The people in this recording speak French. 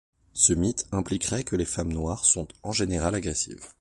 Ce mythe impliquerait que les femmes noires sont en général agressives.